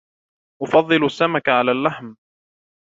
أفضل السمك على اللحم.